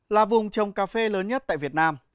là vùng trồng cà phê lớn nhất tại việt nam